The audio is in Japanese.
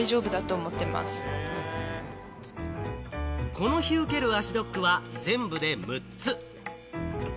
この日、受ける足ドックは全部で６つ。